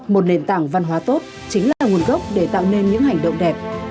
một nền tảng văn hóa tốt chính là nguồn gốc để tạo nên những hành động đẹp